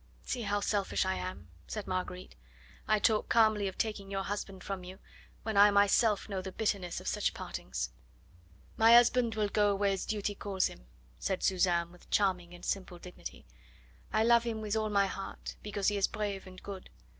"See how selfish I am," said Marguerite. "I talk calmly of taking your husband from you, when I myself know the bitterness of such partings." "My husband will go where his duty calls him," said Suzanne with charming and simple dignity. "I love him with all my heart, because he is brave and good.